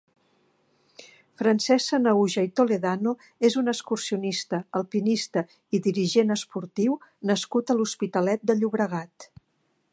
Francesc Sanahuja i Toledano és un excursionista, alpinista i dirigent esportiu nascut a l'Hospitalet de Llobregat.